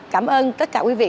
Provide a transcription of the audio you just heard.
cảm ơn tất cả quý vị